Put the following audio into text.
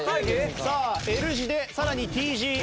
さあＬ字でさらにＴ字。